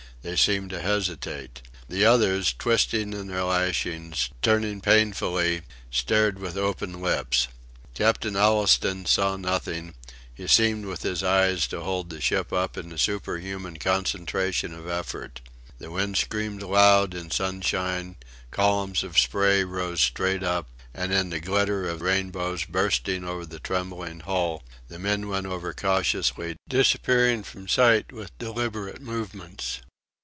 They seemed to hesitate. The others, twisting in their lashings, turning painfull, stared with open lips. Captain Allistoun saw nothing; he seemed with his eyes to hold the ship up in a superhuman concentration of effort. The wind screamed loud in sunshine; columns of spray rose straight up; and in the glitter of rainbows bursting over the trembling hull the men went over cautiously, disappearing from sight with deliberate movements.